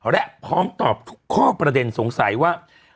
และพร้อมตอบทุกข้อประเด็นสงสัยว่า